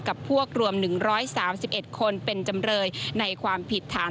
กับพวกรวม๑๓๑คนเป็นจำเลยในความผิดฐาน